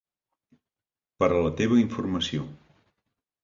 Per a la teva informació.